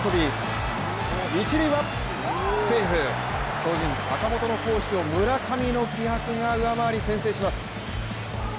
巨人・坂本の好守を、村上の気迫が上回り先制します。